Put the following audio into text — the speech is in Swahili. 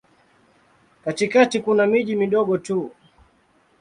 Katikati kuna miji midogo tu.